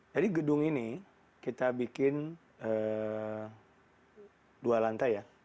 jadi gedung ini kita bikin dua lantai ya